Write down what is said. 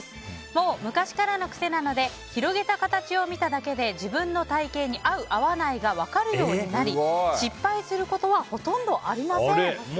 もう昔からの癖なので広げた形を見ただけで自分の体形に合う、合わないが分かるようになり失敗することはほとんどありません。